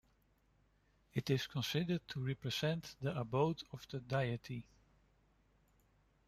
It is considered to represent the abode of the deity.